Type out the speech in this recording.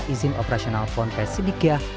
izin operasional ponpes sidikiah